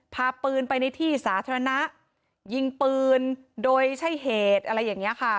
พาปืนไปในที่สาธารณะยิงปืนโดยใช้เหตุอะไรอย่างนี้ค่ะ